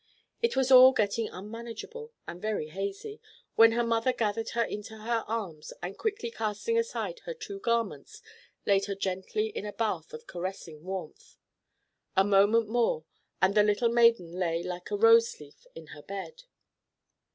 It was all getting unmanageable and very hazy, when her mother gathered her into her arms, and quickly casting aside her two garments laid her gently in a bath of caressing warmth. A moment more and the little maiden lay like a rose leaf in her bed.